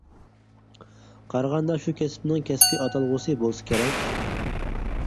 قارىغاندا شۇ كەسىپنىڭ كەسپى ئاتالغۇسى بولسا كېرەك.